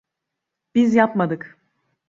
Biz yapmadık.